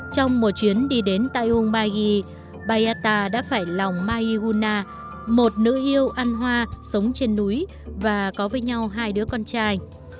trong một chuyến đi đến taiung magi biatta đã phải lòng mai yuna một nữ yêu ăn hoa sống trên núi và có với nhau hai đứa con trai